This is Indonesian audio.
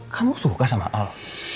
kamu suka sama al